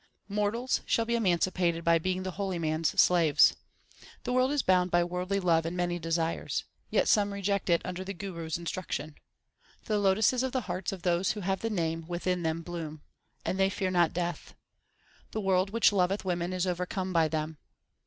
Mortals shall be emancipated by being the holy man s slaves. The world is bound by worldly love and many desires ; Yet some reject it under the Guru s instruction. The lotuses of the hearts of those who have the Name within them bloom, And they fear not Death, The world which loveth women is overcome by them.